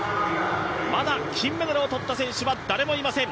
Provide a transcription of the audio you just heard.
まだ金メダルを取った選手は誰もいません。